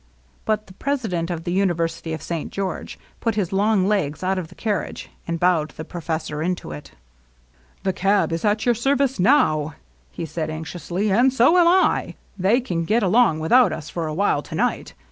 But the president of the University of St. George put his long legs out of the carriage, and bowed the professor into it. 16 LOVELINESS. ^^ The cab is at your service now^" he said anx iously, ^^ and so am I. They can get along with out us for a while, to night.